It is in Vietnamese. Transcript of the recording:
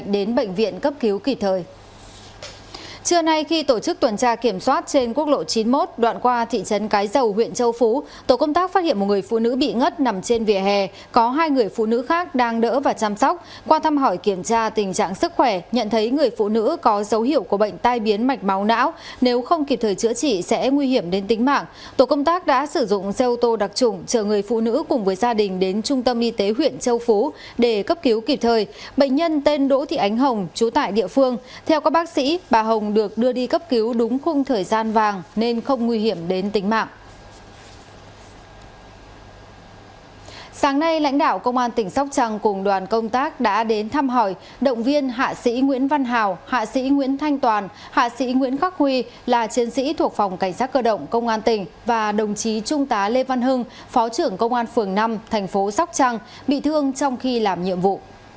sáng nay lãnh đạo công an tỉnh sóc trăng cùng đoàn công tác đã đến thăm hỏi động viên hạ sĩ nguyễn văn hào hạ sĩ nguyễn thanh toàn hạ sĩ nguyễn khắc huy là chiến sĩ thuộc phòng cảnh sát cơ động công an tỉnh và đồng chí trung tá lê văn hưng phó trưởng công an phường năm thành phố sóc trăng bị thương trong khi làm nhiệm vụ